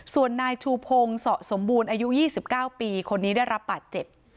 ส่วนนายชูพงศสมบูรณ์อายุยี่สิบเก้าปีคนนี้ได้รับปัดเจ็บ